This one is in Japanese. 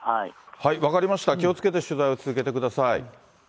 分かりました、気をつけて取材を続けてください。